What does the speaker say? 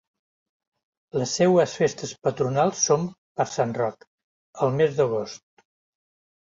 Les seues festes patronals són per Sant Roc, al mes d'agost.